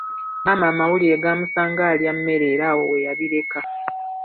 Maama amawulire gaamusanga alya mmere era awo weyabireka.